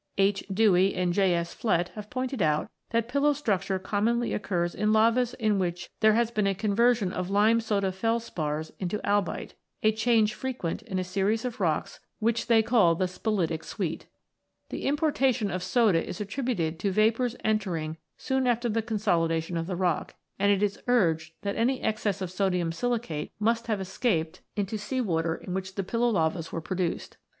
H. Dewey and J. S. Flett(67) have pointed out that pillow structure commonly occurs in lavas in which there has been a conversion of lime soda felspars into albite, a change frequent in a series of rocks which they call the "spilitic suite." The importation of soda is attributed to vapours entering soon after the consolidation of the rock, and it is urged that any excess of sodium silicate must have escaped into the 118 ROCKS AND THEIR ORIGINS [CH. sea water in which the pillow lavas were produced.